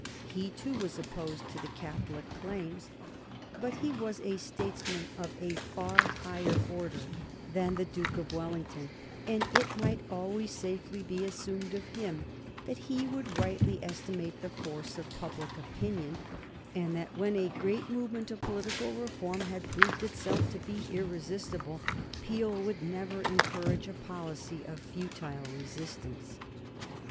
He, too, was opposed to the Catholic claims; but he was a statesman of a far higher order than the Duke of Wellington, and it might always safely be assumed of him that he would rightly estimate the force of public opinion, and that when a great movement of political reform had proved itself to be irresistible Peel would never encourage a policy of futile resistance.